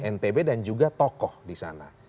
ntb dan juga tokoh di sana